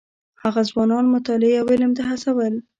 هغه ځوانان مطالعې او علم ته هڅول.